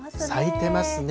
咲いてますね。